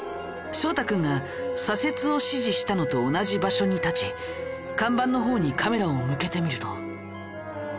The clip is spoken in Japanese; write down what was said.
翔太君が左折を指示したのと同じ場所に立ち看板のほうにカメラを向けてみると。